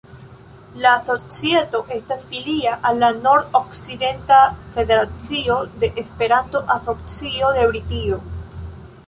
La societo estas filia al la Nord-Okcidenta Federacio de Esperanto-Asocio de Britio.